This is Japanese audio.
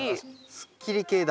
すっきり系だ。